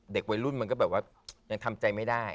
เด็กวัยรุ่นมันก็แบบว่ายังทำใจไม่ได้